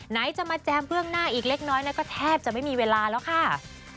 ไหนจะมาแจมเบื้องหน้าอีกเล็กน้อยก็แทบจะไม่มีเวลาแล้วค่ะ